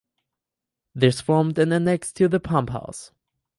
This formed an annexe to the pump house.